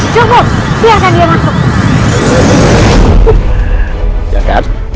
jangan lupa biarkan dia masuk